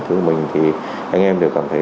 thứ mình thì anh em đều cảm thấy